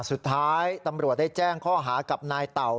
สุดท้ายตำรวจได้แจ้งข้อหากับนายเต่า